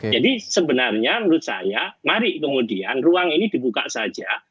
jadi sebenarnya menurut saya mari kemudian ruang ini dibuka saja